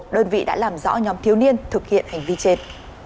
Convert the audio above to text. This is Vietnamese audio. đơn vị đã làm rõ nhóm thiếu niên thực hiện hành vi trên